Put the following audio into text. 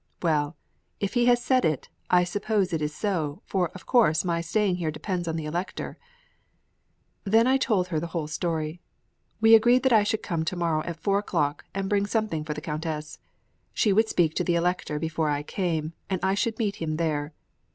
"Well, if he has said it, I suppose it is so; for of course my staying here depends on the Elector." I then told her the whole story. We agreed that I should come to morrow at four o'clock, and bring something for the Countess. She would speak to the Elector before I came, and I should meet him there.